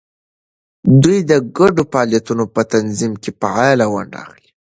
دوی د ګډو فعالیتونو په تنظیم کې فعاله ونډه اخلي.